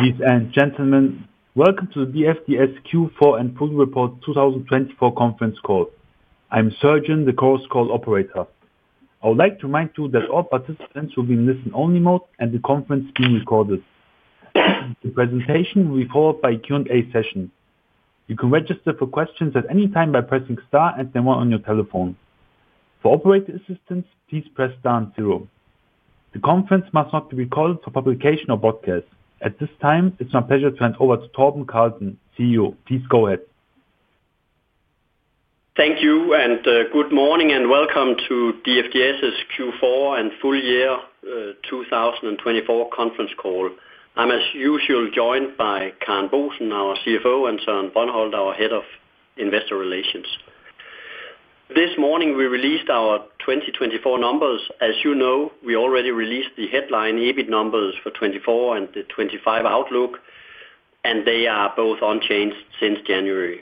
Ladies and gentlemen, Welcome to the DFDS Q4 and Full Year Report 2024 Conference Call. I'm Sergian, the conference call operator. I would like to remind you that all participants will be in listen-only mode and the conference is being recorded. The presentation will be followed by a Q&A session. You can register for questions at any time by pressing star and then one on your telephone. For operator assistance, please press star and zero. The conference must not be recorded for publication or broadcast. At this time, it's my pleasure to hand over to Torben Carlsen, CEO. Please go ahead. Thank you, and good morning and Welcome to DFDS's Q4 and Full Year 2024 Conference Call. I'm, as usual, joined by Karen Boesen, our CFO, and Søren Brøndholt, our head of Investor Relations. This morning, we released our 2024 numbers. As you know, we already released the headline EBIT numbers for 2024 and the 2025 outlook, and they are both unchanged since January.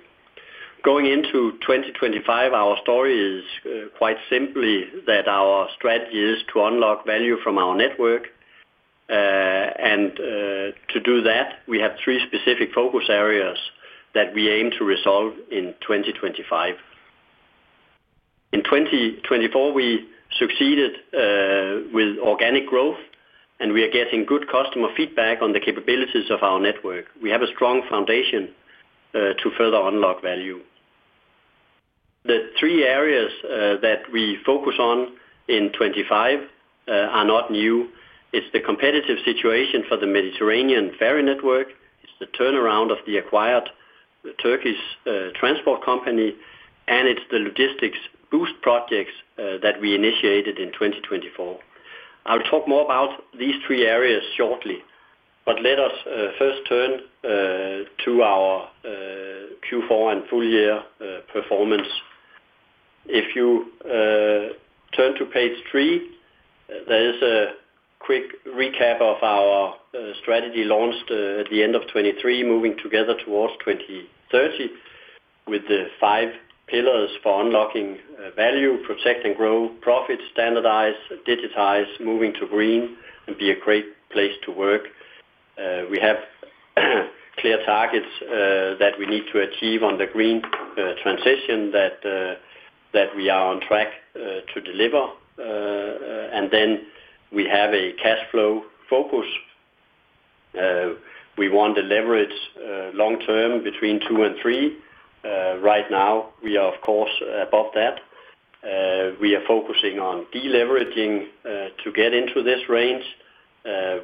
Going into 2025, our story is quite simply that our strategy is to unlock value from our network. And to do that, we have three specific focus areas that we aim to resolve in 2025. In 2024, we succeeded with organic growth, and we are getting good customer feedback on the capabilities of our network. We have a strong foundation to further unlock value. The three areas that we focus on in 2025 are not new. It's the competitive situation for the Mediterranean ferry network. It's the turnaround of the acquired Turkish transport company, and it's the Logistics Boost Projects that we initiated in 2024. I'll talk more about these three areas shortly, but let us first turn to our Q4 and full year performance. If you turn to page three, there is a quick recap of our strategy launched at the end of 2023, Moving Together Towards 2030 with the five pillars for unlocking value, Protect and Grow Profits, Standardize, Digitize, Moving to Green, and Be a Great Place to Work. We have clear targets that we need to achieve on the Green Transition that we are on track to deliver, and then we have a cash flow focus. We want long-term leverage between two and three. Right now, we are, of course, above that. We are focusing on deleveraging to get into this range.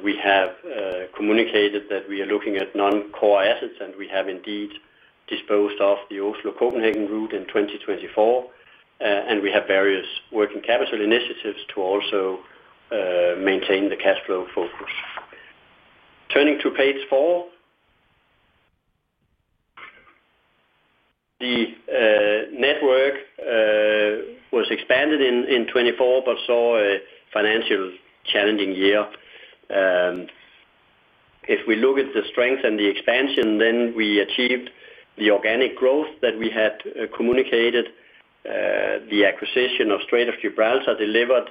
We have communicated that we are looking at non-core assets, and we have indeed disposed of the Oslo-Copenhagen route in 2024, and we have various working capital initiatives to also maintain the cash flow focus. Turning to page four, the network was expanded in 2024 but saw a financially challenging year. If we look at the strength and the expansion, then we achieved the organic growth that we had communicated. The acquisition of Strait of Gibraltar delivered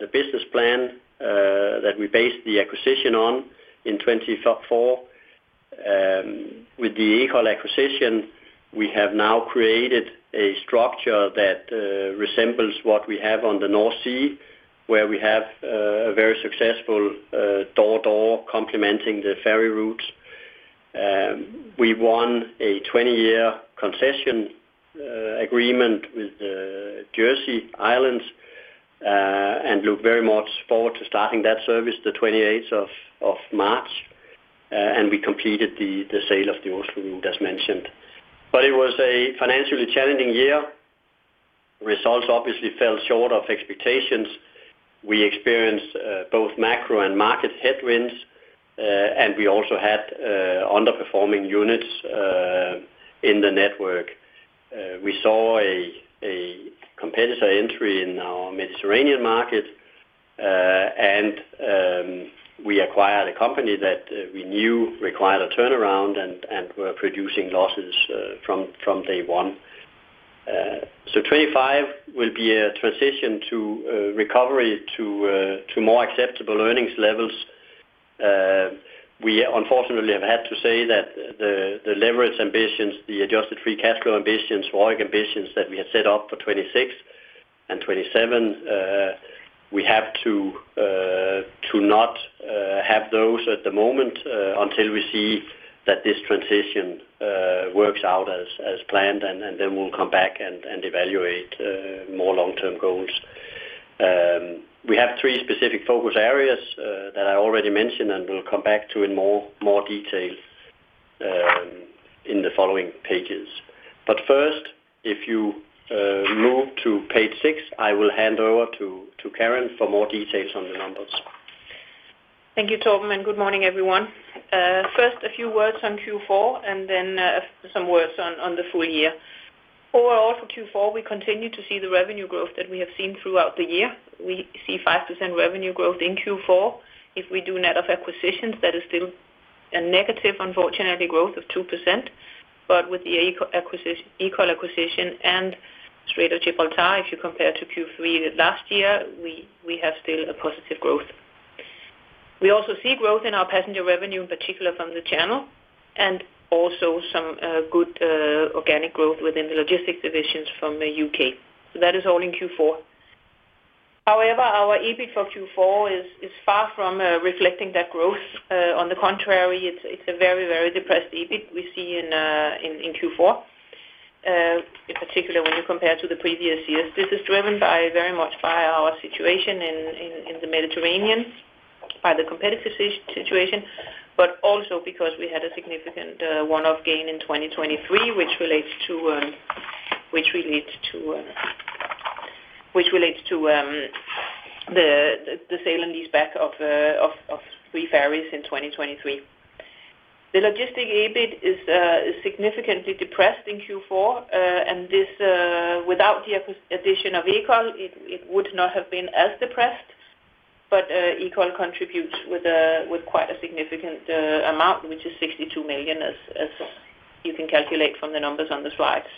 the business plan that we based the acquisition on in 2024. With the Ekol acquisition, we have now created a structure that resembles what we have on the North Sea, where we have a very successful door-to-door, complementing the ferry routes. We won a 20-year concession agreement with Jersey and look very much forward to starting that service the 28th of March. We completed the sale of the Oslo Route, as mentioned. It was a financially challenging year. Results obviously fell short of expectations. We experienced both macro and market headwinds, and we also had underperforming units in the network. We saw a competitor entry in our Mediterranean market, and we acquired a company that we knew required a turnaround and were producing losses from day one. 2025 will be a transition to recovery to more acceptable earnings levels. We unfortunately have had to say that the leverage ambitions, the adjusted free cash flow ambitions, ROIC ambitions that we had set up for 2026 and 2027, we have to not have those at the moment until we see that this transition works out as planned, and then we'll come back and evaluate more long-term goals. We have three specific focus areas that I already mentioned and will come back to in more detail in the following pages. But first, if you move to page six, I will hand over to Karen for more details on the numbers. Thank you, Torben. And good morning, everyone. First, a few words on Q4 and then some words on the full year. Overall, for Q4, we continue to see the revenue growth that we have seen throughout the year. We see 5% revenue growth in Q4. If we do net of acquisitions, that is still a negative, unfortunately, growth of -2%. But with the Ekol acquisition and Strait of Gibraltar, if you compare to Q3 last year, we have still a positive growth. We also see growth in our passenger revenue, in particular from the Channel, and also some good organic growth within the logistics divisions from the U.K. That is all in Q4. However, our EBIT for Q4 is far from reflecting that growth. On the contrary, it's a very, very depressed EBIT we see in Q4, in particular when you compare to the previous years. This is driven very much by our situation in the Mediterranean, by the competitive situation, but also because we had a significant one-off gain in 2023, which relates to the sale and leaseback of three ferries in 2023. The logistic EBIT is significantly depressed in Q4, and without the addition of Ekol, it would not have been as depressed. But Ekol contributes with quite a significant amount, which is 62 million, as you can calculate from the numbers on the slides.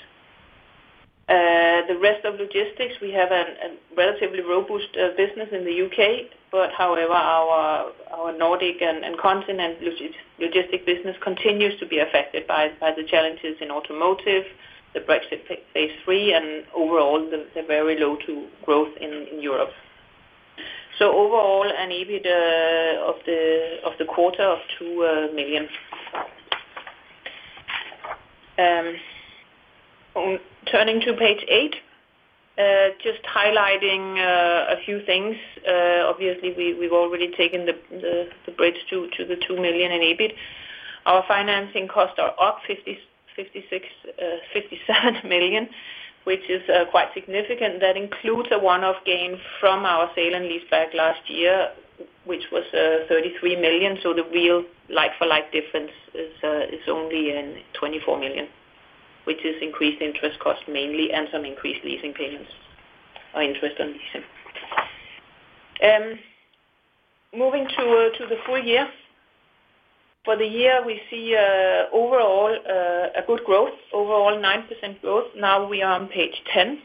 The rest of logistics, we have a relatively robust business in the U.K., but however, our Nordic and Continent logistic business continues to be affected by the challenges in automotive, the Brexit phase III, and overall, the very low to no growth in Europe. So overall, an EBIT of the quarter of 2 million. Turning to page eight, just highlighting a few things. Obviously, we've already taken the bridge to the 2 million in EBIT. Our financing costs are up 56-57 million, which is quite significant. That includes a one-off gain from our sale and leaseback last year, which was 33 million. So the real like-for-like difference is only 24 million, which is increased interest costs mainly and some increased leasing payments or interest on leasing. Moving to the full year, for the year, we see overall a good growth, overall 9% growth. Now we are on page 10.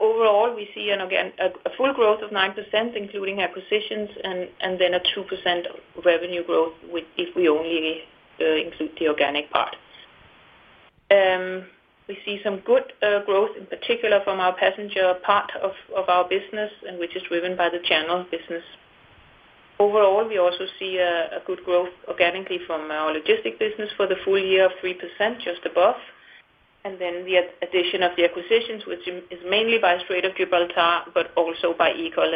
Overall, we see a full growth of 9%, including acquisitions, and then a 2% revenue growth if we only include the organic parts. We see some good growth, in particular from our passenger part of our business, which is driven by the Channel business. Overall, we also see a good growth organically from our logistics business for the full year of 3%, just above, and then the addition of the acquisitions, which is mainly by Strait of Gibraltar, but also by Ekol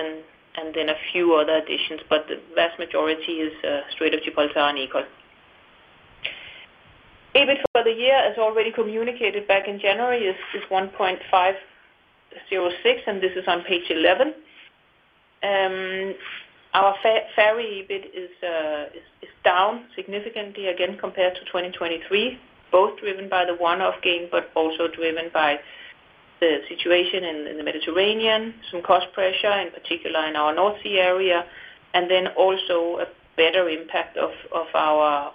and then a few other additions, but the vast majority is Strait of Gibraltar and Ekol. EBIT for the year as already communicated back in January is 1.506 million, and this is on page 11. Our ferry EBIT is down significantly again compared to 2023, both driven by the one-off gain but also driven by the situation in the Mediterranean, some cost pressure, in particular in our North Sea area, and then also a better impact of our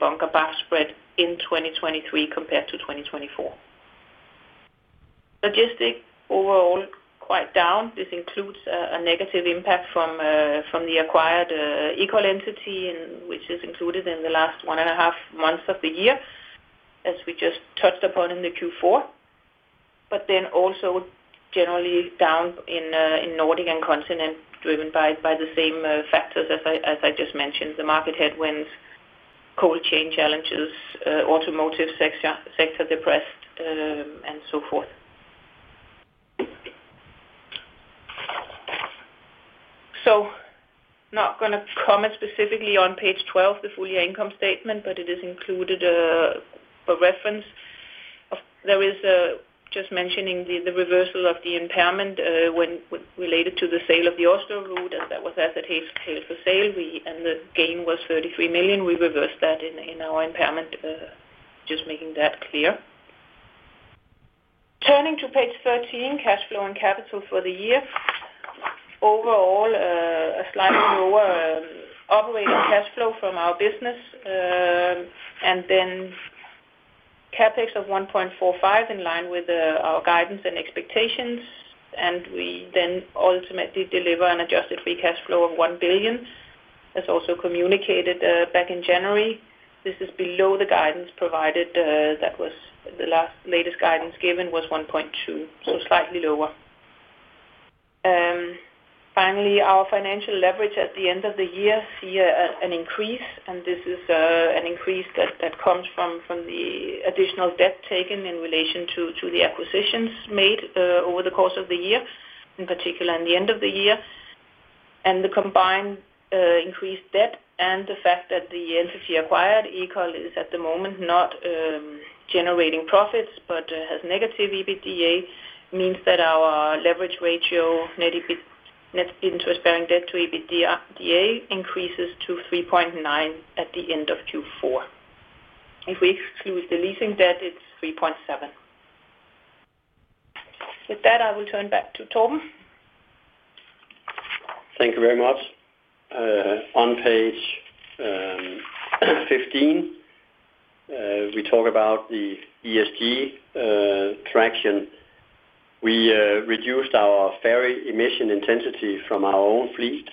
bunker fuel spread in 2023 compared to 2024. Logistics overall quite down. This includes a negative impact from the acquired Ekol entity, which is included in the last one-and-a-half months of the year, as we just touched upon in the Q4. But then also generally down in Nordic and Continent, driven by the same factors as I just mentioned, the market headwinds, cold chain challenges, automotive sector depressed, and so forth. So not going to comment specifically on page 12, the full year income statement, but it includes a reference. There is just mentioning the reversal of the impairment related to the sale of the Oslo Route, as that was at the table sale, and the gain was 33 million. We reversed that in our impairment, just making that clear. Turning to page 13, cash flow and capital for the year. Overall, a slightly lower operating cash flow from our business, and then CapEx of 1.45 billion in line with our guidance and expectations. We then ultimately deliver an adjusted free cash flow of 1 billion, as also communicated back in January. This is below the guidance provided that was the last latest guidance given was 1.2, so slightly lower. Finally, our financial leverage at the end of the year see an increase, and this is an increase that comes from the additional debt taken in relation to the acquisitions made over the course of the year, in particular in the end of the year. The combined increased debt and the fact that the entity acquired Ekol is at the moment not generating profits but has negative EBITDA means that our leverage ratio, net interest-bearing debt to EBITDA, increases to 3.9 at the end of Q4. If we exclude the leasing debt, it's 3.7. With that, I will turn back to Torben. Thank you very much. On page 15, we talk about the ESG traction. We reduced our ferry emission intensity from our own fleet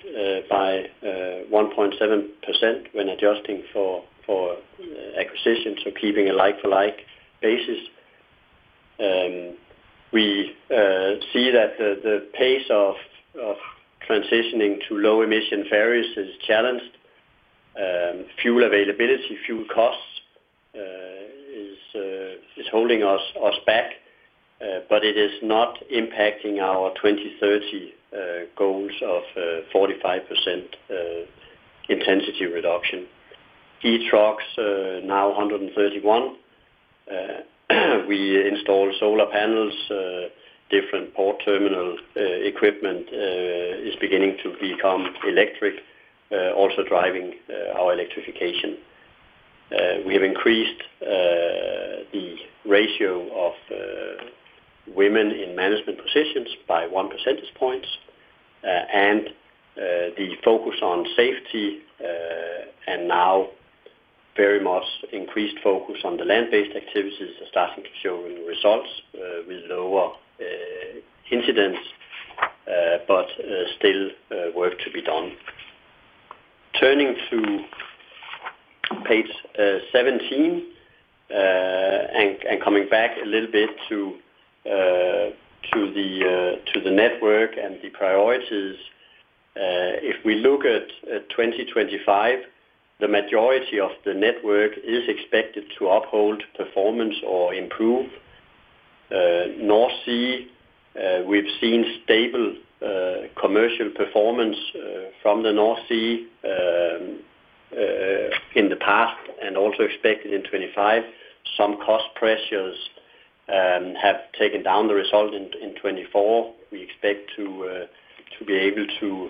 by 1.7% when adjusting for acquisition, so keeping a like-for-like basis. We see that the pace of transitioning to low-emission ferries is challenged. Fuel availability, fuel costs is holding us back, but it is not impacting our 2030 goals of 45% intensity reduction. E-trucks now 131. We installed solar panels. Different port terminal equipment is beginning to become electric, also driving our electrification. We have increased the ratio of women in management positions by 1 percentage point, and the focus on safety and now very much increased focus on the land-based activities are starting to show results. We lower incidence, but still work to be done. Turning to page 17 and coming back a little bit to the network and the priorities, if we look at 2025, the majority of the network is expected to uphold performance or improve. North Sea, we've seen stable commercial performance from the North Sea in the past and also expected in 2025. Some cost pressures have taken down the result in 2024. We expect to be able to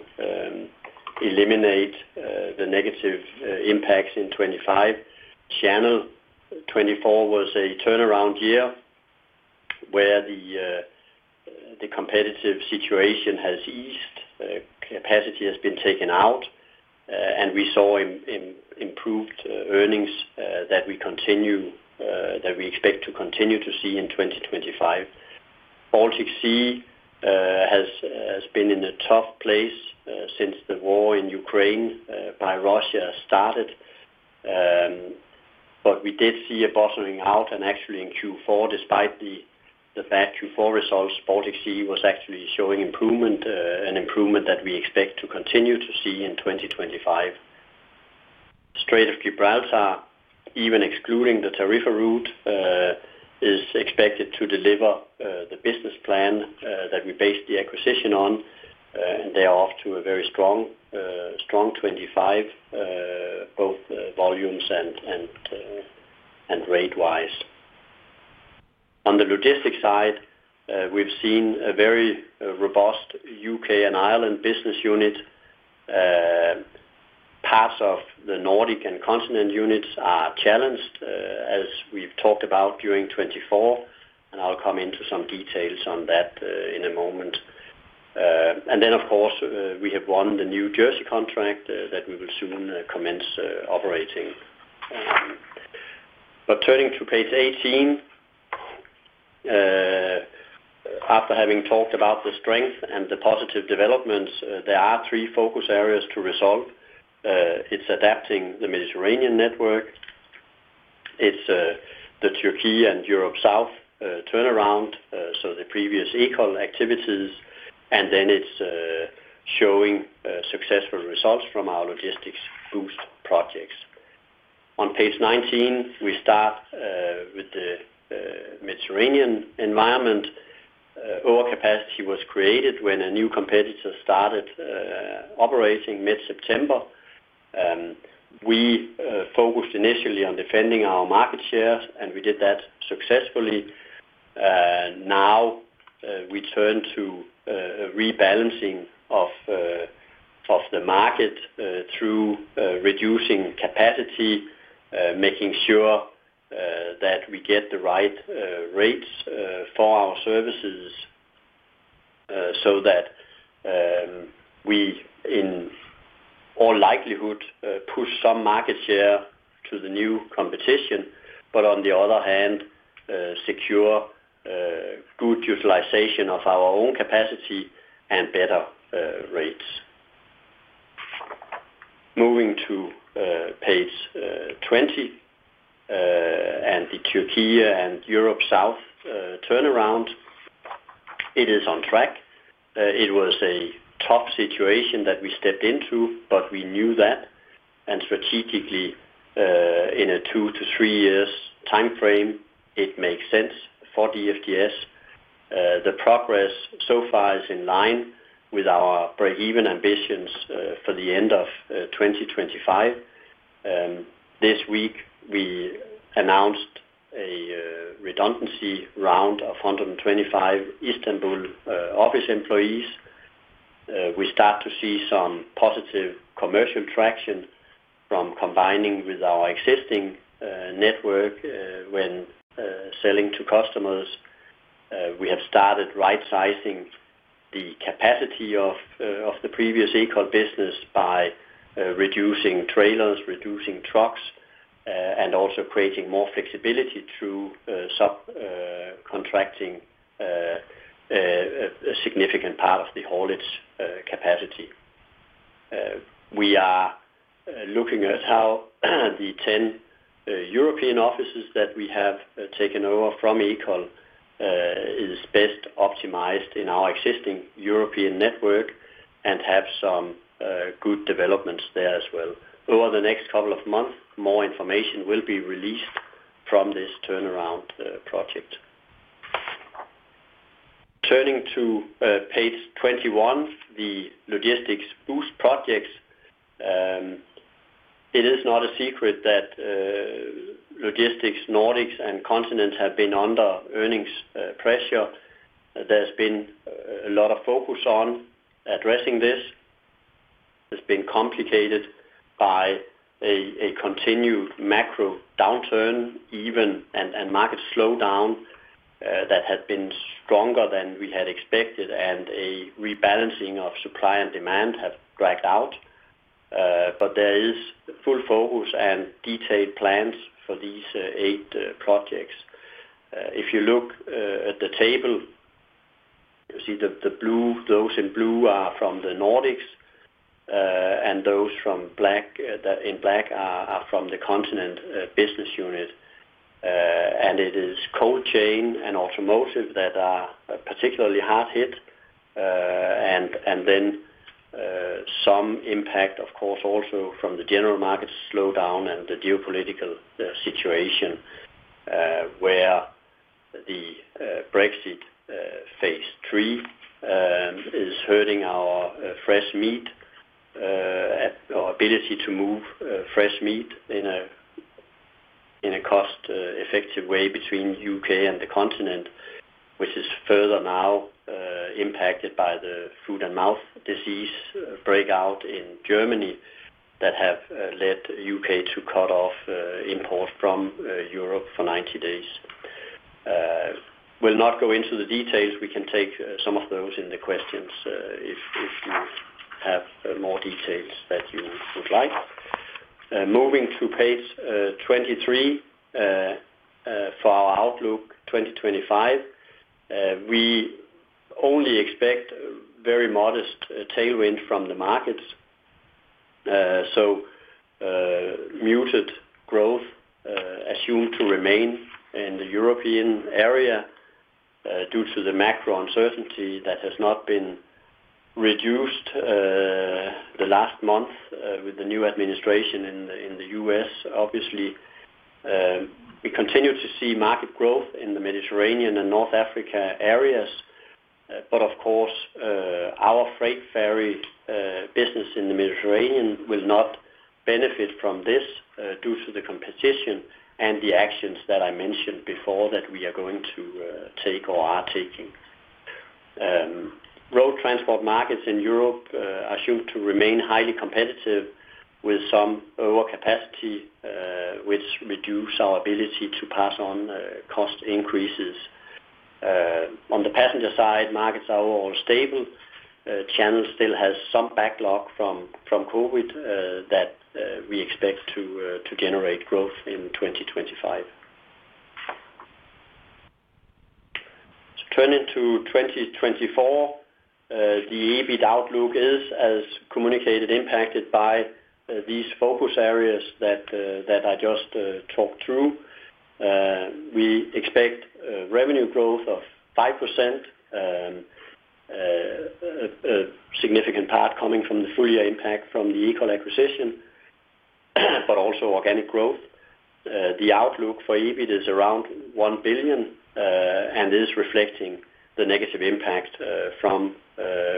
eliminate the negative impacts in 2025. Channel 2024 was a turnaround year where the competitive situation has eased, capacity has been taken out, and we saw improved earnings that we expect to continue to see in 2025. Baltic Sea has been in a tough place since the war in Ukraine by Russia started, but we did see a bottoming out. Actually in Q4, despite the bad Q4 results, Baltic Sea was actually showing improvement, an improvement that we expect to continue to see in 2025. Strait of Gibraltar, even excluding the Tarifa route, is expected to deliver the business plan that we based the acquisition on, and thereof to a very strong 2025, both volumes and rate-wise. On the logistics side, we've seen a very robust U.K. and Ireland business unit. Parts of the Nordic and Continent units are challenged, as we've talked about during 2024, and I'll come into some details on that in a moment. Then, of course, we have won the Jersey contract that we will soon commence operating. But turning to page 18, after having talked about the strength and the positive developments, there are three focus areas to resolve. It's adapting the Mediterranean network. It's the Turkey and Europe South turnaround, so the previous Ekol activities, and then it's showing successful results from our Logistics Boost Projects. On page 19, we start with the Mediterranean environment. Overcapacity was created when a new competitor started operating mid-September. We focused initially on defending our market shares, and we did that successfully. Now we turn to rebalancing of the market through reducing capacity, making sure that we get the right rates for our services so that we, in all likelihood, push some market share to the new competition, but on the other hand, secure good utilization of our own capacity and better rates. Moving to page 20 and the Turkey and Europe South turnaround, it is on track. It was a tough situation that we stepped into, but we knew that, and strategically, in a two- to three-years timeframe, it makes sense for DFDS. The progress so far is in line with our break-even ambitions for the end of 2025. This week, we announced a redundancy round of 125 Istanbul office employees. We start to see some positive commercial traction from combining with our existing network when selling to customers. We have started right-sizing the capacity of the previous Ekol business by reducing trailers, reducing trucks, and also creating more flexibility through subcontracting a significant part of the haulage capacity. We are looking at how the 10 European offices that we have taken over from Ekol is best optimized in our existing European network and have some good developments there as well. Over the next couple of months, more information will be released from this turnaround project. Turning to page 21, the Logistics Boost Projects. It is not a secret that logistics, Nordics, and Continent have been under earnings pressure. There's been a lot of focus on addressing this. It's been complicated by a continued macro downturn and market slowdown that had been stronger than we had expected, and a rebalancing of supply and demand have dragged out. But there is full focus and detailed plans for these eight projects. If you look at the table, you see the blue, those in blue are from the Nordics, and those in black are from the Continent business unit. And it is cold chain and automotive that are particularly hard hit. And then some impact, of course, also from the general market slowdown and the geopolitical situation where the Brexit phase III is hurting our fresh meat, our ability to move fresh meat in a cost-effective way between the U.K. and the Continent, which is further now impacted by the foot-and-mouth disease outbreak in Germany that have led the U.K. to cut off imports from Europe for 90 days. We'll not go into the details. We can take some of those in the questions if you have more details that you would like. Moving to page 23 for our outlook 2025, we only expect very modest tailwind from the markets. So muted growth assumed to remain in the European area due to the macro uncertainty that has not been reduced the last month with the new administration in the U.S. Obviously, we continue to see market growth in the Mediterranean and North Africa areas. But of course, our freight ferry business in the Mediterranean will not benefit from this due to the competition and the actions that I mentioned before that we are going to take or are taking. Road transport markets in Europe assumed to remain highly competitive with some overcapacity, which reduced our ability to pass on cost increases. On the passenger side, markets are all stable. Channel still has some backlog from COVID that we expect to generate growth in 2025. Turning to 2024, the EBIT outlook is, as communicated, impacted by these focus areas that I just talked through. We expect revenue growth of 5%, a significant part coming from the full-year impact from the Ekol acquisition, but also organic growth. The outlook for EBIT is around 1 billion and is reflecting the negative impact from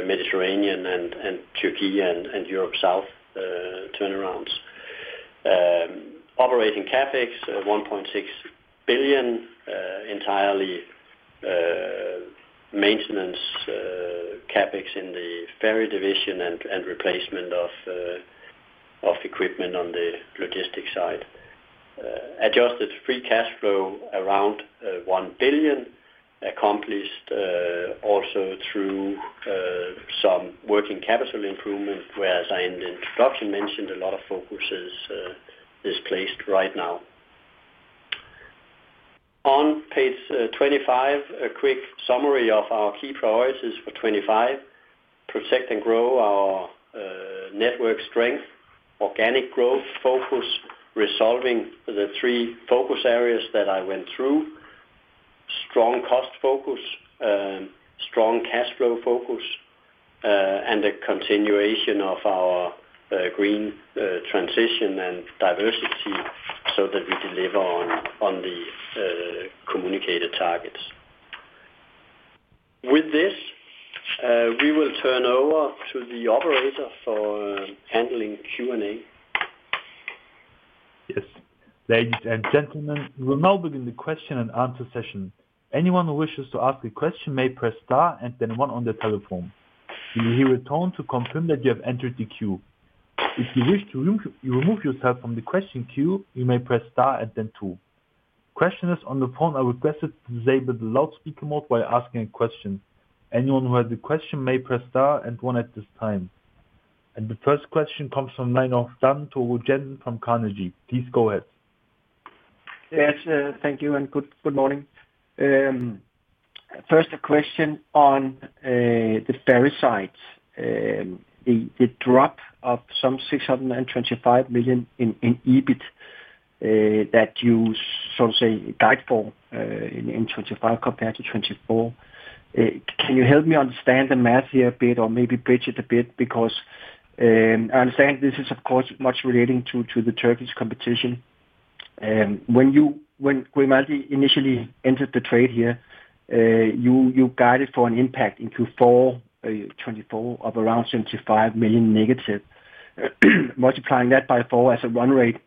Mediterranean and Turkey and Europe South turnarounds. Operating CapEx, 1.6 billion, entirely maintenance CapEx in the ferry division and replacement of equipment on the logistics side. Adjusted free cash flow around 1 billion, accomplished also through some working capital improvement, whereas I in the introduction mentioned a lot of focus is placed right now. On page 25, a quick summary of our key priorities for '25. Protect and grow our network strength, organic growth focus, resolving the three focus areas that I went through, strong cost focus, strong cash flow focus, and the continuation of our Green Transition and diversity so that we deliver on the communicated targets. With this, we will turn over to the operator for handling Q&A. Yes. Ladies and gentlemen, we will now begin the question and answer session. Anyone who wishes to ask a question may press star and then one on the telephone. You will hear a tone to confirm that you have entered the queue. If you wish to remove yourself from the question queue, you may press star and then two. Questioners on the phone are requested to disable the loudspeaker mode while asking a question. Anyone who has a question may press star and one at this time. The first question comes from Niels Leth from Carnegie. Please go ahead. Thank you and good morning. First, a question on the ferry side. The drop of some 625 million in EBIT that you sort of say is for in 2025 compared to 2024. Can you help me understand the math here a bit or maybe pitch it a bit? Because I understand this is, of course, much relating to the Turkish competition. When Grimaldi initially entered the trade here, you guided for an impact in Q4 2024 of around negative 75 million. Multiplying that by four as a run rate,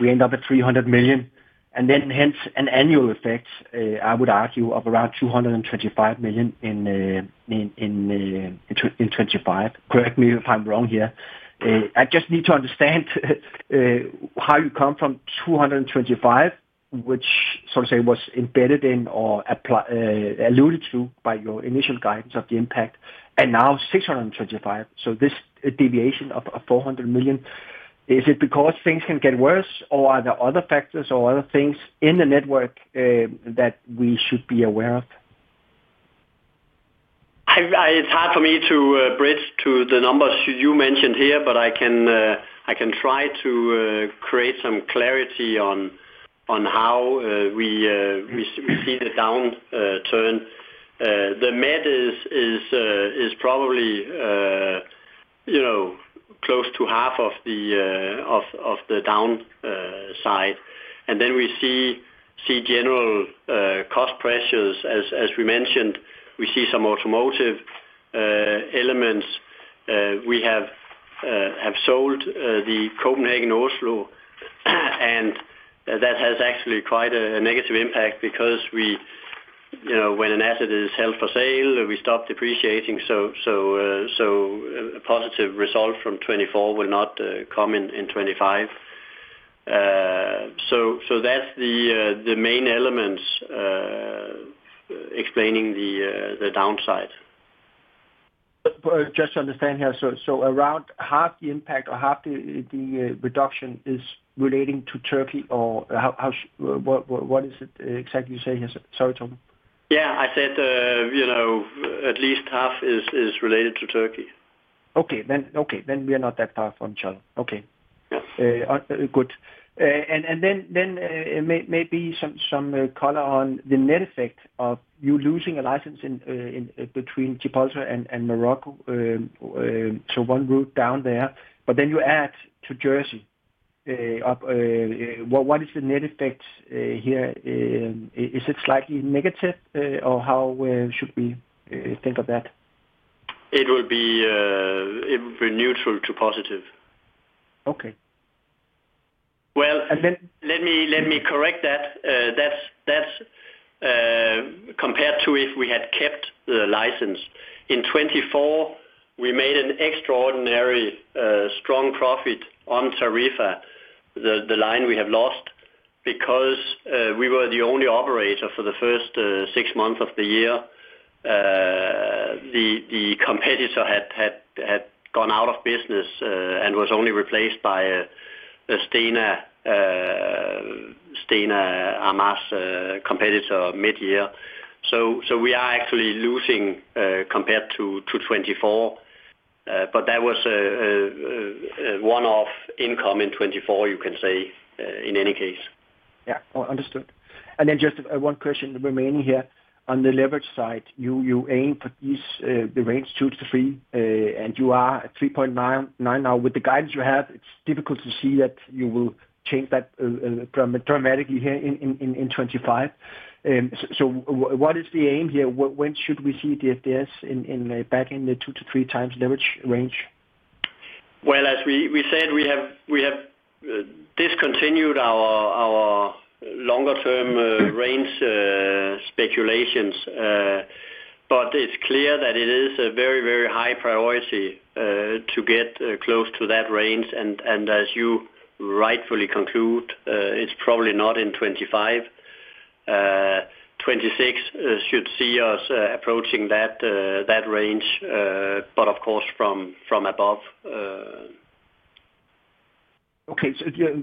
we end up at 300 million. And then hence an annual effect, I would argue, of around 225 million in 2025. Correct me if I'm wrong here. I just need to understand how you come from 225 million, which sort of say was embedded in or alluded to by your initial guidance of the impact, and now 625 million. So this deviation of 400 million, is it because things can get worse or are there other factors or other things in the network that we should be aware of? It's hard for me to bridge to the numbers you mentioned here, but I can try to create some clarity on how we see the downturn. The MED is probably close to half of the downside. And then we see general cost pressures. As we mentioned, we see some automotive elements. We have sold the Copenhagen Oslo, and that has actually quite a negative impact because when an asset is held for sale, we stop depreciating. So a positive result from 2024 will not come in 2025. So that's the main elements explaining the downside. Just to understand here, so around half the impact or half the reduction is relating to Turkey or what is it exactly you say here? Sorry, Torben. Yeah, I said at least half is related to Turkey. Okay. Then we are not that far from each other. Okay. Good. And then maybe some color on the net effect of you losing a license between Gibraltar and Morocco. So one route down there, but then you add to Jersey. What is the net effect here? Is it slightly negative or how should we think of that? It would be neutral to positive. Okay. Well, let me correct that. That's compared to if we had kept the license. In 2024, we made an extraordinary strong profit on Tarifa, the line we have lost, because we were the only operator for the first six months of the year. The competitor had gone out of business and was only replaced by Stena, Armas competitor mid-year. So we are actually losing compared to 2024, but that was one-off income in 2024, you can say, in any case. Yeah. Understood. And then just one question remaining here. On the leverage side, you aim for these rates two to three, and you are at 3.9 now. With the guidance you have, it's difficult to see that you will change that dramatically here in 2025. So what is the aim here? When should we see this back in the two to three times leverage range? Well, as we said, we have discontinued our longer-term range speculations, but it's clear that it is a very, very high priority to get close to that range. And as you rightfully conclude, it's probably not in 2025. 2026 should see us approaching that range, but of course, from above. Okay.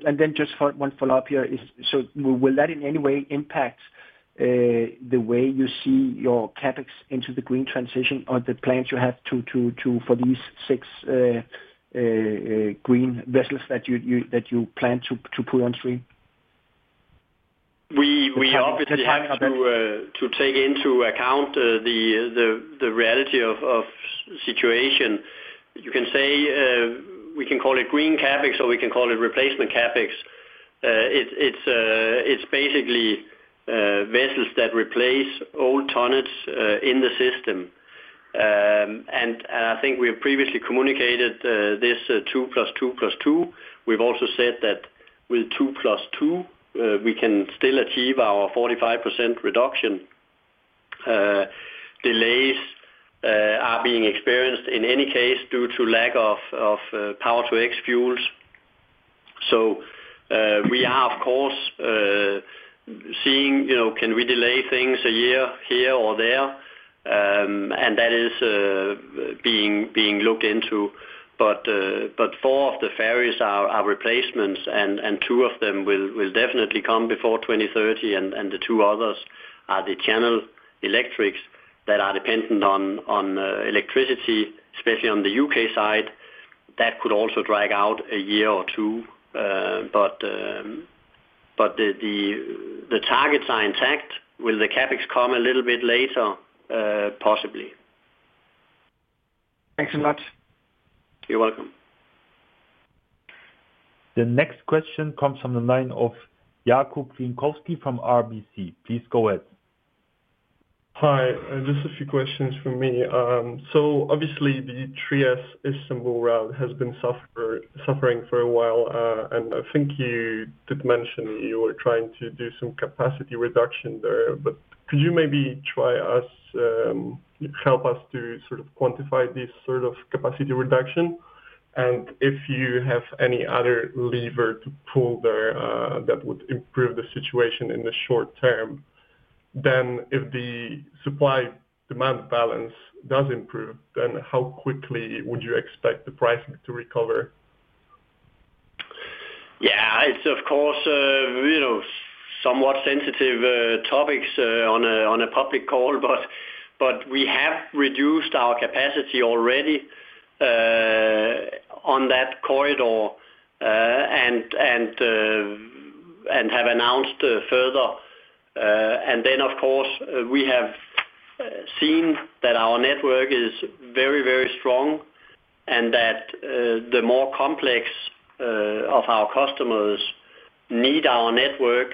And then just one follow-up here. So will that in any way impact the way you see your CapEx into the Green Transition or the plans you have for these six green vessels that you plan to put on stream? We obviously have to take into account the reality of the situation. You can say we can call it green CapEx or we can call it replacement CapEx. It's basically vessels that replace old tonnage in the system. And I think we have previously communicated this 2+2+2. We've also said that with 2+2, we can still achieve our 45% reduction. Delays are being experienced in any case due to lack of power-to-X fuels. So we are, of course, seeing can we delay things a year here or there. And that is being looked into. But four of the ferries are replacements, and two of them will definitely come before 2030. And the two others are the Channel electrics that are dependent on electricity, especially on the U.K. side. That could also drag out a year or two. But the targets are intact. Will the CapEx come a little bit later? Possibly. Thanks a lot. You're welcome. The next question comes from the line of Jakub Glinkowski from RBC. Please go ahead. Hi. Just a few questions for me. So obviously, the Trieste-Istanbul route has been suffering for a while. And I think you did mention you were trying to do some capacity reduction there. But could you maybe try to help us to sort of quantify this sort of capacity reduction? And if you have any other lever to pull there that would improve the situation in the short term, then if the supply-demand balance does improve, then how quickly would you expect the pricing to recover? Yeah. It's, of course, somewhat sensitive topics on a public call, but we have reduced our capacity already on that corridor and have announced further. And then, of course, we have seen that our network is very, very strong and that the more complex of our customers need our network.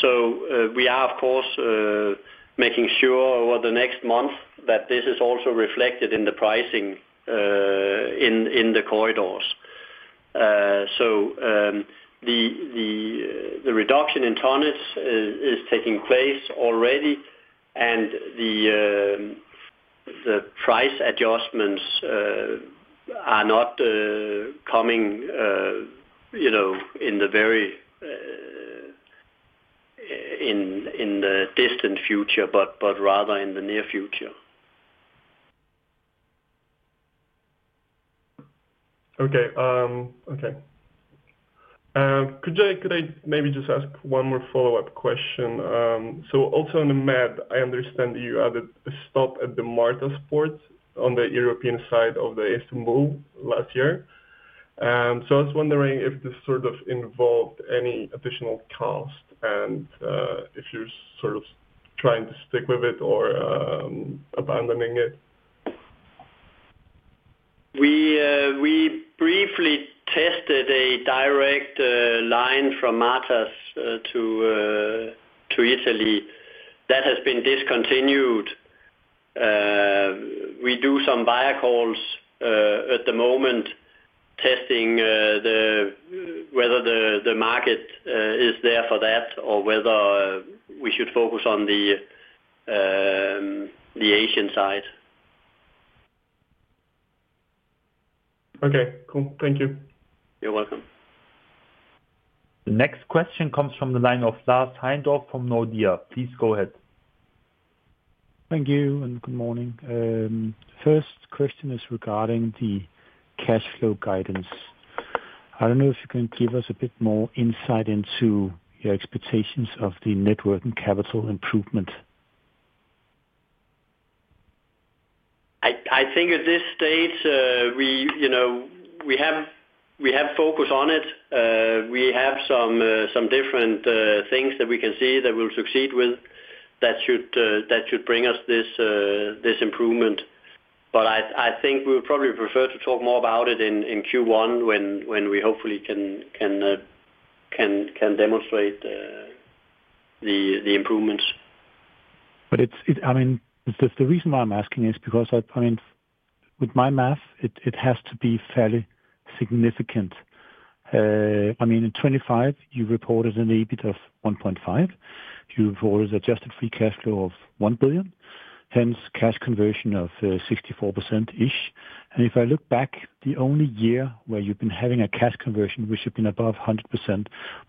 So we are, of course, making sure over the next month that this is also reflected in the pricing in the corridors. So the reduction in tonnage is taking place already, and the price adjustments are not coming in the very distant future, but rather in the near future. Okay. Okay. Could I maybe just ask one more follow-up question? So also on the MED, I understand you added a stop at the Martaş Port on the European side of Istanbul last year. So I was wondering if this sort of involved any additional cost and if you're sort of trying to stick with it or abandoning it. We briefly tested a direct line from Martaş to Italy that has been discontinued. We do some port calls at the moment testing whether the market is there for that or whether we should focus on the Asian side. Okay. Cool. Thank you. You're welcome. The next question comes from the line of Lars Heindorff from Nordea. Please go ahead. Thank you and good morning. First question is regarding the cash flow guidance. I don't know if you can give us a bit more insight into your expectations of the working capital improvement. I think at this stage, we have focus on it. We have some different things that we can see that we'll succeed with that should bring us this improvement. But I think we would probably prefer to talk more about it in Q1 when we hopefully can demonstrate the improvements. But I mean, the reason why I'm asking is because I mean, with my math, it has to be fairly significant. I mean, in 2025, you reported an EBIT of 1.5 billion. You reported adjusted free cash flow of 1 billion. Hence, cash conversion of 64%-ish. If I look back, the only year where you've been having a cash conversion, which has been above 100%,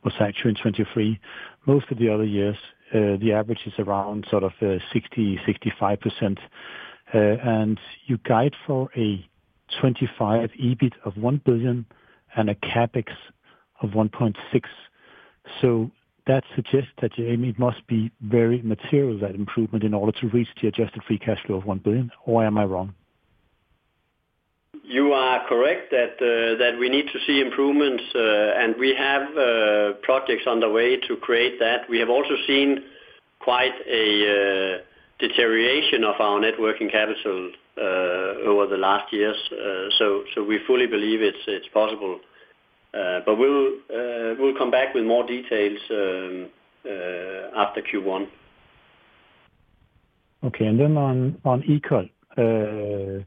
was actually in 2023. Most of the other years, the average is around sort of 60%-65%. You guide for a 2025 EBIT of 1 billion and a CapEx of 1.6 billion. That suggests that, Jamie, it must be very material that improvement in order to reach the adjusted free cash flow of 1 billion. Or am I wrong? You are correct that we need to see improvements, and we have projects underway to create that. We have also seen quite a deterioration of our net working capital over the last years. We fully believe it's possible. We'll come back with more details after Q1. Okay. Then on Ekol,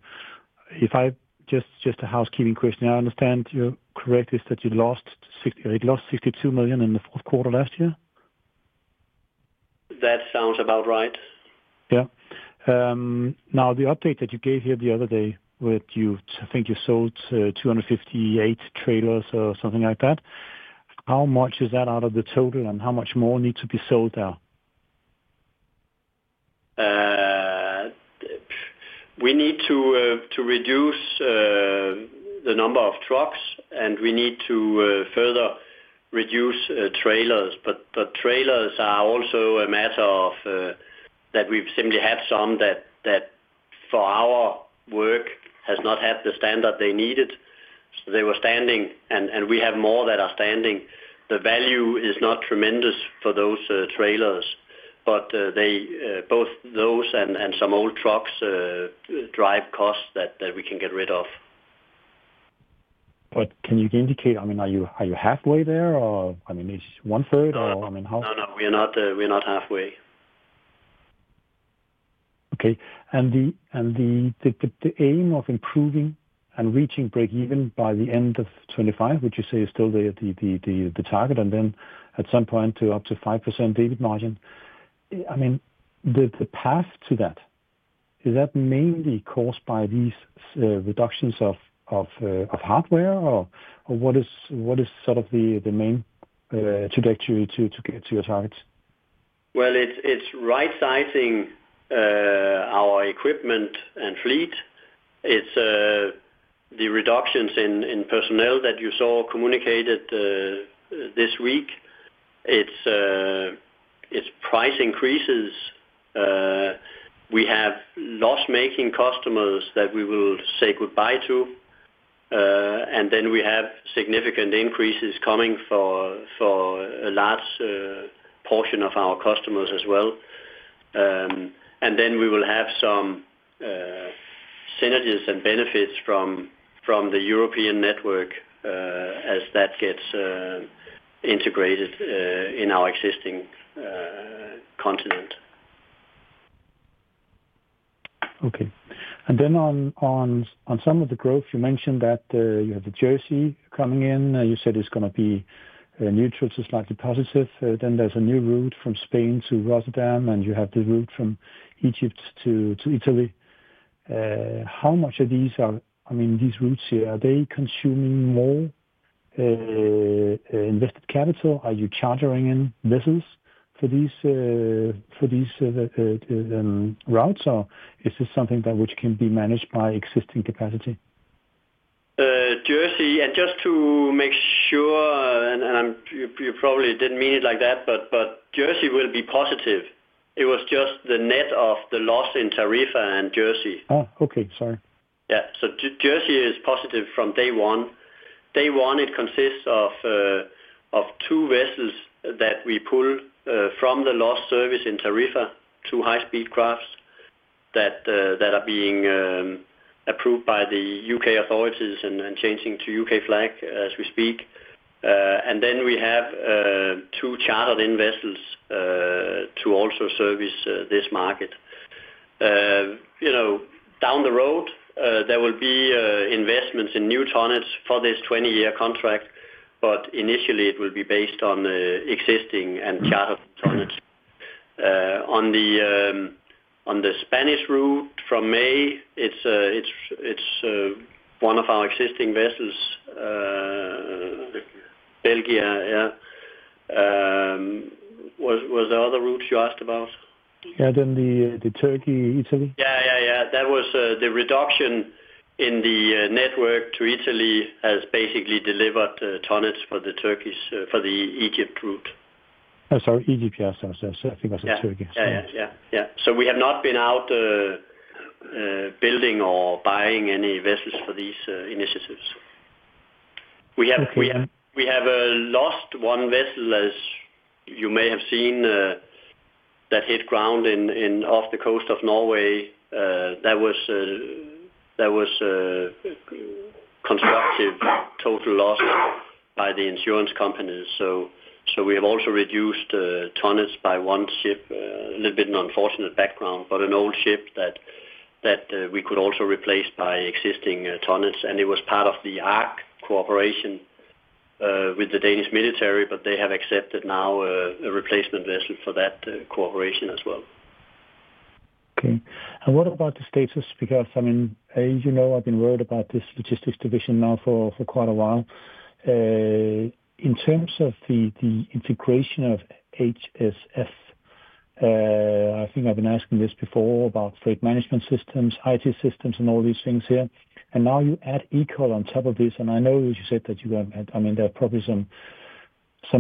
just a housekeeping question. I understand you're correct. Is that you lost 62 million in the fourth quarter last year? That sounds about right. Yeah. Now, the update that you gave here the other day with, I think you sold 258 trailers or something like that. How much is that out of the total and how much more needs to be sold there? We need to reduce the number of trucks, and we need to further reduce trailers. But trailers are also a matter of that we've simply had some that for our work has not had the standard they needed. They were standing, and we have more that are standing. The value is not tremendous for those trailers, but both those and some old trucks drive costs that we can get rid of. But can you indicate, I mean, are you halfway there or, I mean, it's one-third or, I mean, how? No, no, we're not halfway. Okay. And the aim of improving and reaching break-even by the end of 2025, which you say is still the target, and then at some point to up to 5% EBIT margin. I mean, the path to that, is that mainly caused by these reductions of hardware or what is sort of the main trajectory to get to your targets? Well, it's right-sizing our equipment and fleet. It's the reductions in personnel that you saw communicated this week. It's price increases. We have loss-making customers that we will say goodbye to. And then we have significant increases coming for a large portion of our customers as well. And then we will have some synergies and benefits from the European network as that gets integrated in our existing Continent. Okay. And then on some of the growth, you mentioned that you have the Jersey coming in. You said it's going to be neutral to slightly positive. Then there's a new route from Spain to Rotterdam, and you have the route from Egypt to Italy. How much are these? I mean, these routes here, are they consuming more invested capital? Are you chartering in vessels for these routes, or is this something that which can be managed by existing capacity? Jersey. And just to make sure, and you probably didn't mean it like that, but Jersey will be positive. It was just the net of the loss in Tarifa and Jersey. Oh, okay. Sorry. Yeah. So Jersey is positive from day one. Day one, it consists of two vessels that we pull from the loss service in Tarifa to high-speed crafts that are being approved by the U.K. authorities and changing to U.K. flag as we speak. And then we have two chartered-in vessels to also service this market. Down the road, there will be investments in new tonnage for this 20-year contract, but initially, it will be based on existing and chartered tonnages. On the Spanish route from May, it's one of our existing vessels, Belgia. Yeah. Was there other routes you asked about? Yeah. Then the Turkey, Italy. Yeah, yeah, yeah. That was the reduction in the network to Italy has basically delivered tonnage for the Egypt route. I'm sorry. Egypt, you asked us. I think I said Turkey. Yeah, yeah, yeah. So we have not been out building or buying any vessels for these initiatives. We have lost one vessel, as you may have seen, that hit ground off the coast of Norway. That was a constructive total loss by the insurance companies. So we have also reduced tonnage by one ship. A little bit of an unfortunate background, but an old ship that we could also replace by existing tonnage. And it was part of the ARK cooperation with the Danish military, but they have accepted now a replacement vessel for that cooperation as well. Okay. And what about the status? Because, I mean, as you know, I've been worried about this logistics division now for quite a while. In terms of the integration of HSF, I think I've been asking this before about transport management systems, IT systems, and all these things here. And now you add Ekol on top of this. And I know you said that you're going to, I mean, there are probably some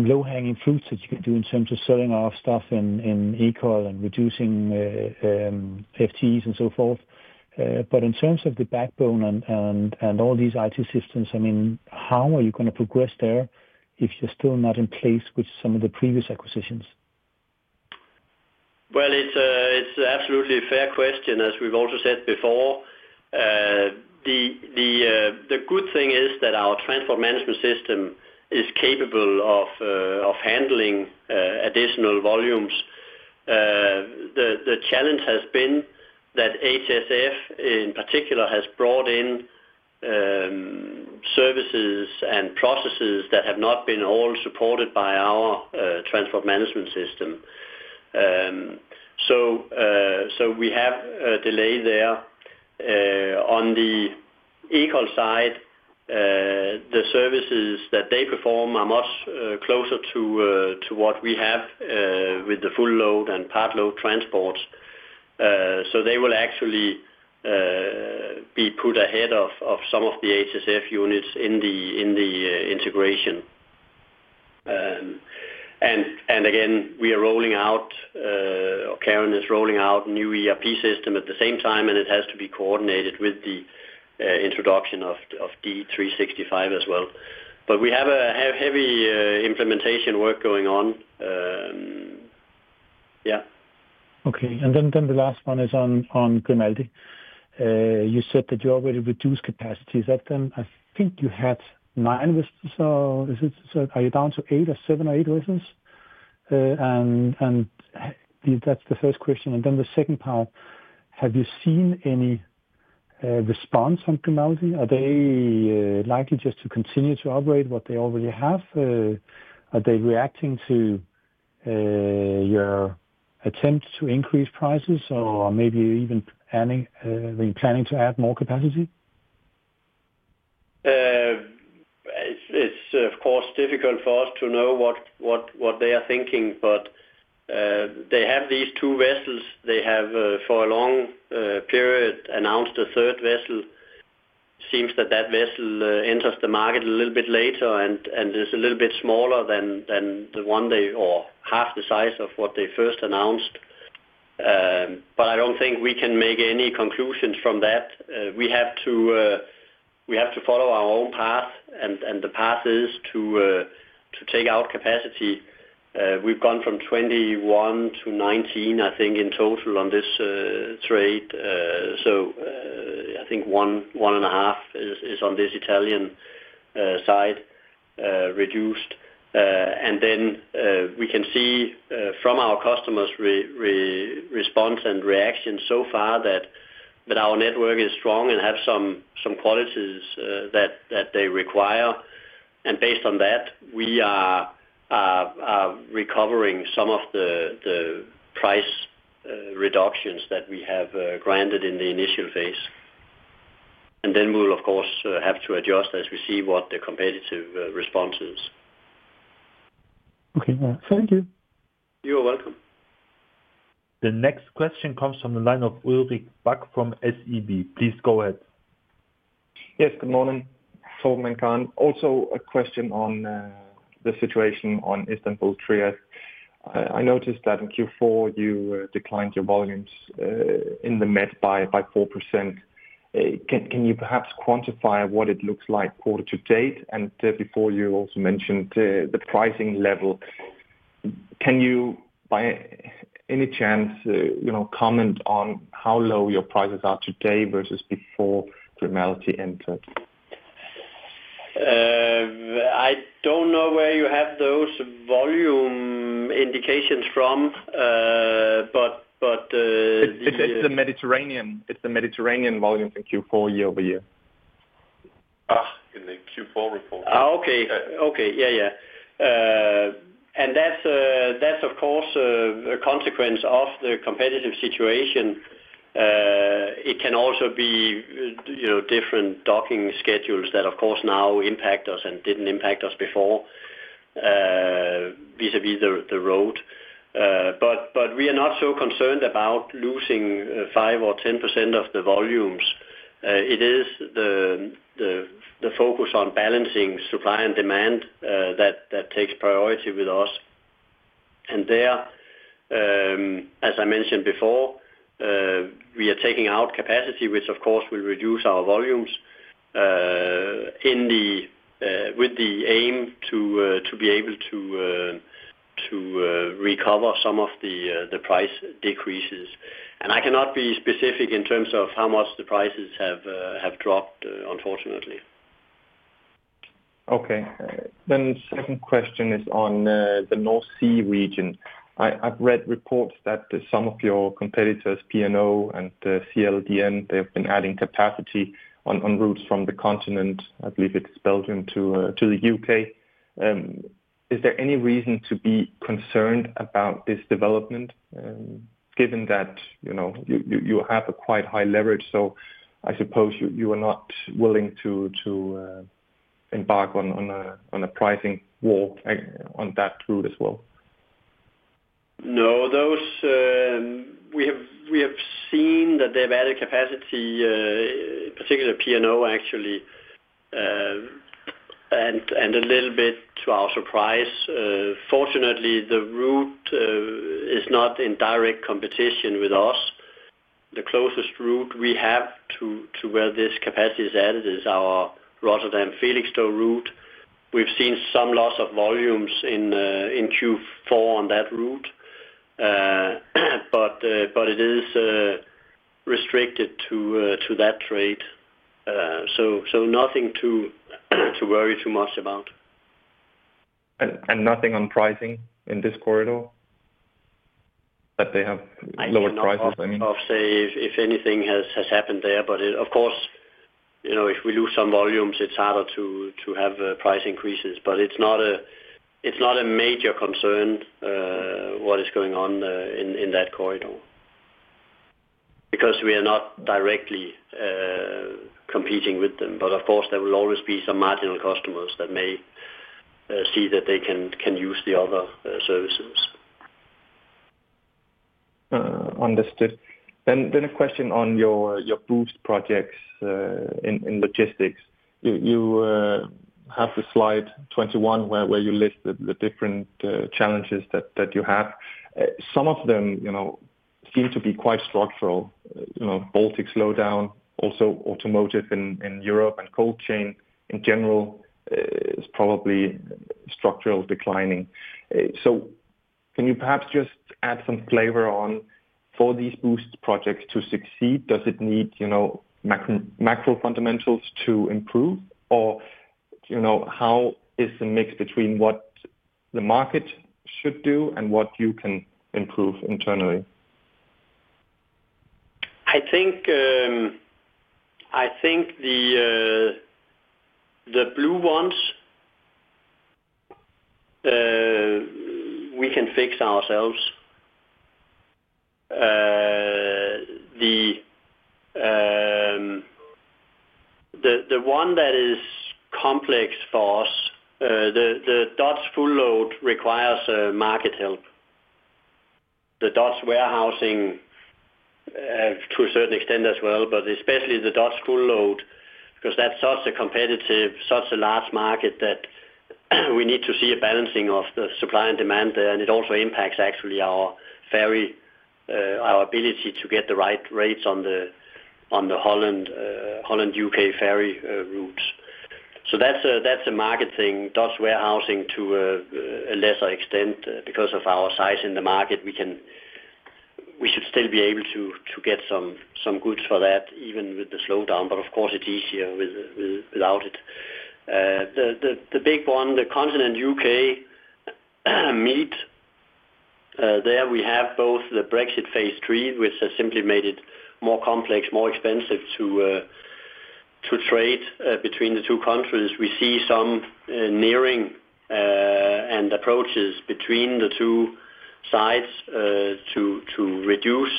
low-hanging fruits that you could do in terms of selling off stuff in Ekol and reducing FTEs and so forth. But in terms of the backbone and all these IT systems, I mean, how are you going to progress there if you're still not in place with some of the previous acquisitions? Well, it's absolutely a fair question, as we've also said before. The good thing is that our transport management system is capable of handling additional volumes. The challenge has been that HSF, in particular, has brought in services and processes that have not been all supported by our transport management system. So we have a delay there. On the Ekol side, the services that they perform are much closer to what we have with the full load and part load transports. So they will actually be put ahead of some of the HSF units in the integration. And again, we are rolling out, or Karen is rolling out a new ERP system at the same time, and it has to be coordinated with the introduction of D365 as well. But we have heavy implementation work going on. Yeah. Okay. And then the last one is on Grimaldi. You said that you already reduced capacity. Is that then? I think you had nine vessels. Are you down to eight or seven or eight vessels? And that's the first question. And then the second part, have you seen any response from Grimaldi? Are they likely just to continue to operate what they already have? Are they reacting to your attempt to increase prices or maybe even planning to add more capacity? It's, of course, difficult for us to know what they are thinking, but they have these two vessels. They have, for a long period, announced a third vessel. It seems that that vessel enters the market a little bit later and is a little bit smaller than the one they or half the size of what they first announced. But I don't think we can make any conclusions from that. We have to follow our own path, and the path is to take out capacity. We've gone from 21 to 19, I think, in total on this trade. So I think one-and-a-half is on this Italian side reduced. And then we can see from our customers' response and reaction so far that our network is strong and has some qualities that they require. And based on that, we are recovering some of the price reductions that we have granted in the initial phase. And then we will, of course, have to adjust as we see what the competitive response is. Okay. Thank you. You're welcome. The next question comes from the line of Ulrik Bak from SEB. Please go ahead. Yes. Good morning. Solomon Kahn. Also a question on the situation on the Istanbul-Trieste. I noticed that in Q4, you declined your volumes in the MED by 4%. Can you perhaps quantify what it looks like to date? And before, you also mentioned the pricing level. Can you, by any chance, comment on how low your prices are today versus before Grimaldi entered? I don't know where you have those volume indications from, but. It's the Mediterranean. It's the Mediterranean volumes in Q4 year over year. In the Q4 report. Okay. Okay. Yeah, yeah. And that's, of course, a consequence of the competitive situation. It can also be different docking schedules that, of course, now impact us and didn't impact us before vis-à-vis the road. But we are not so concerned about losing five or 10% of the volumes. It is the focus on balancing supply and demand that takes priority with us. And there, as I mentioned before, we are taking out capacity, which, of course, will reduce our volumes with the aim to be able to recover some of the price decreases. And I cannot be specific in terms of how much the prices have dropped, unfortunately. Okay. Then the second question is on the North Sea region. I've read reports that some of your competitors, P&O and CLdN, they've been adding capacity on routes from the Continent, I believe it's Belgium, to the U.K. Is there any reason to be concerned about this development, given that you have a quite high leverage? So I suppose you are not willing to embark on a pricing war on that route as well? No, we have seen that they've added capacity, particularly P&O, actually, and a little bit to our surprise. Fortunately, the route is not in direct competition with us. The closest route we have to where this capacity is added is our Rotterdam-Felixstowe route. We've seen some loss of volumes in Q4 on that route, but it is restricted to that trade. So nothing to worry too much about. And nothing on pricing in this corridor that they have lowered prices? I'd love to say if anything has happened there. But, of course, if we lose some volumes, it's harder to have price increases. But it's not a major concern what is going on in that corridor because we are not directly competing with them. But, of course, there will always be some marginal customers that may see that they can use the other services. Understood. Then a question on your boost projects in logistics. You have the slide 21 where you list the different challenges that you have. Some of them seem to be quite structural. Baltic slowdown, also automotive in Europe and cold chain in general is probably structurally declining. So can you perhaps just add some flavor on, for these boost projects to succeed, does it need macro fundamentals to improve? Or how is the mix between what the market should do and what you can improve internally? I think the blue ones, we can fix ourselves. The one that is complex for us, the Dutch full load requires market help. The Dutch warehousing to a certain extent as well, but especially the Dutch full load because that's such a competitive, such a large market that we need to see a balancing of the supply and demand there. It also impacts actually our ability to get the right rates on the Holland-U.K. ferry routes. That's a market thing. Dutch warehousing to a lesser extent because of our size in the market, we should still be able to get some goods for that even with the slowdown. Of course, it's easier without it. The big one, the Continent-U.K. meat. There we have both the Brexit phase III, which has simply made it more complex, more expensive to trade between the two countries. We see some nearing and approaches between the two sides to reduce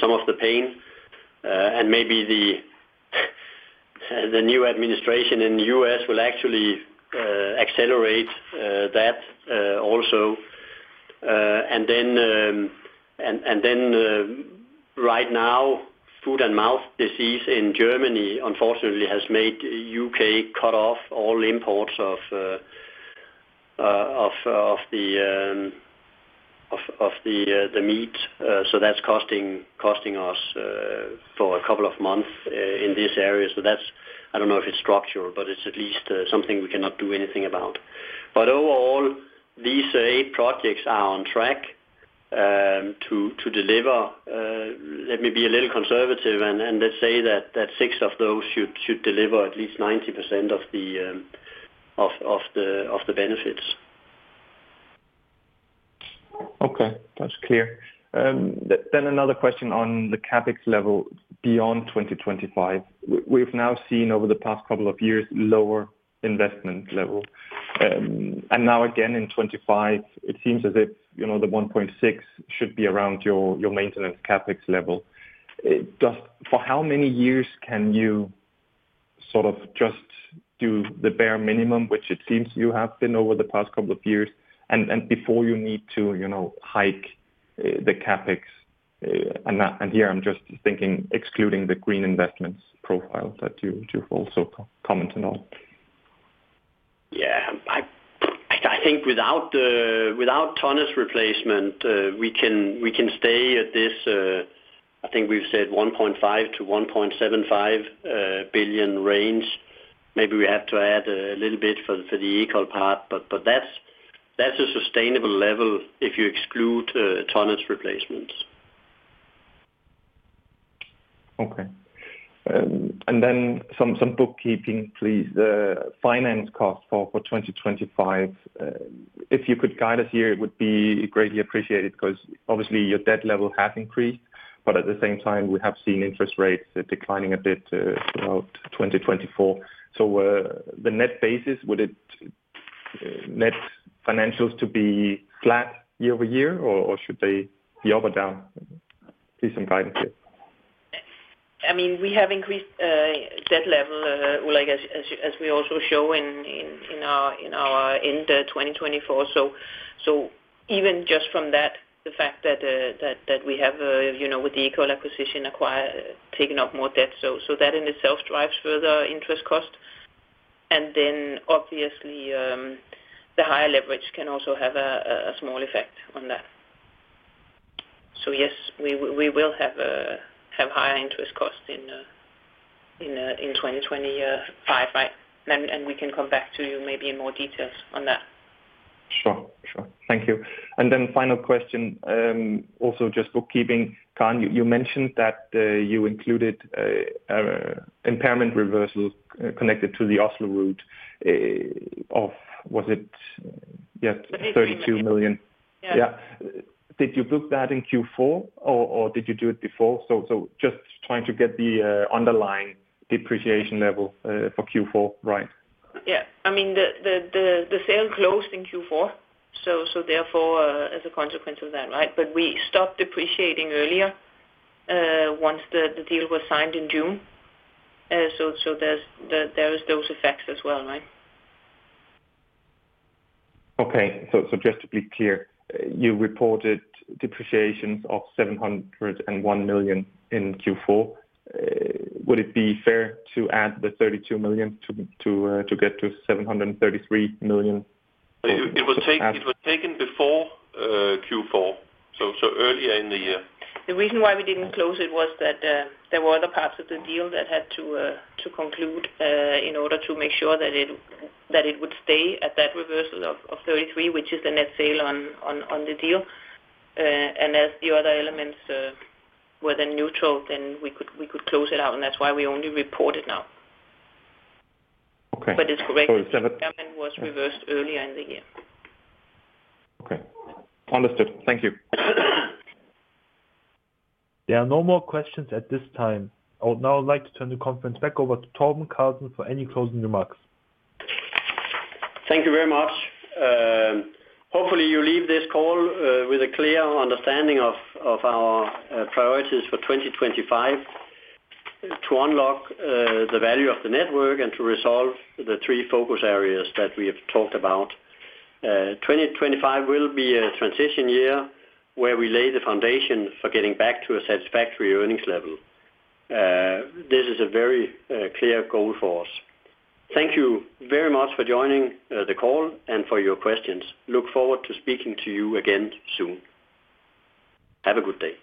some of the pain. Maybe the new administration in the U.S. will actually accelerate that also. Then right now, foot-and-mouth disease in Germany, unfortunately, has made U.K. cut off all imports of the meat. That's costing us for a couple of months in this area. I don't know if it's structural, but it's at least something we cannot do anything about. But overall, these eight projects are on track to deliver. Let me be a little conservative and let's say that six of those should deliver at least 90% of the benefits. Okay. That's clear. Then another question on the CapEx level beyond 2025. We've now seen over the past couple of years lower investment level. And now again in 2025, it seems as if the 1.6 should be around your maintenance CapEx level. For how many years can you sort of just do the bare minimum, which it seems you have been over the past couple of years, and before you need to hike the CapEx? And here I'm just thinking excluding the green investments profile that you've also commented on. Yeah. I think without tonnage replacement, we can stay at this. I think we've said 1.5 billion-1.75 billion range. Maybe we have to add a little bit for the Ekol part, but that's a sustainable level if you exclude tonnage replacements. Okay and then some bookkeeping, please. Finance costs for 2025. If you could guide us here, it would be greatly appreciated because obviously your debt level has increased, but at the same time, we have seen interest rates declining a bit throughout 2024. So the net basis, would it net financials to be flat year over year, or should they be up or down? Please some guidance here. I mean, we have increased debt level, as we also show in our end-2024. So even just from that, the fact that we have with the Ekol acquisition taken up more debt, so that in itself drives further interest cost. And then obviously, the higher leverage can also have a small effect on that. So yes, we will have higher interest costs in 2025, right? And we can come back to you maybe in more details on that. Sure. Sure. Thank you. And then final question, also just bookkeeping. Karen you mentioned that you included impairment reversal connected to the Oslo Route of, was it 32 million? Yeah. Did you book that in Q4, or did you do it before? So just trying to get the underlying depreciation level for Q4, right? Yeah. I mean, the sale closed in Q4, so therefore as a consequence of that, right? But we stopped depreciating earlier once the deal was signed in June. So there's those effects as well, right? Okay. So just to be clear, you reported depreciations of 701 million in Q4. Would it be fair to add the 32 million to get to 733 million? It was taken before Q4, so earlier in the year. The reason why we didn't close it was that there were other parts of the deal that had to conclude in order to make sure that it would stay at that reversal of 33 million, which is the net sale on the deal. And as the other elements were then neutral, then we could close it out. And that's why we only report it now. But it's correct. The impairment was reversed earlier in the year. Okay. Understood. Thank you. There are no more questions at this time. I would now like to turn the conference back over to Torben Carlsen for any closing remarks. Thank you very much. Hopefully, you leave this call with a clear understanding of our priorities for 2025 to unlock the value of the network and to resolve the three focus areas that we have talked about. 2025 will be a transition year where we lay the foundation for getting back to a satisfactory earnings level. This is a very clear goal for us. Thank you very much for joining the call and for your questions. Look forward to speaking to you again soon. Have a good day.